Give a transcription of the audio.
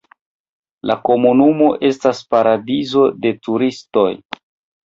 La komunumo estas paradizo de turistoj.